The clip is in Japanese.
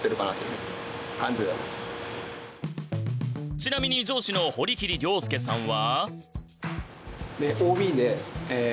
ちなみに上司の堀切良輔さんは。